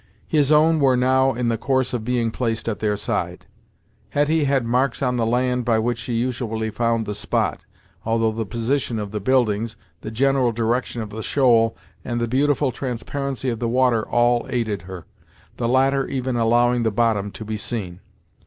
His own were now in the course of being placed at their side. Hetty had marks on the land by which she usually found the spot, although the position of the buildings, the general direction of the shoal, and the beautiful transparency of the water all aided her, the latter even allowing the bottom to be seen.